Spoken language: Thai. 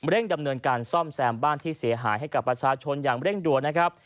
ดำเนินการซ่อมแซมบ้านที่เสียหายให้กับประชาชนอย่างเร่งด่วนนะครับ